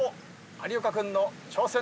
有岡君の挑戦です。